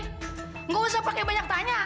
gak usah pake banyak tanya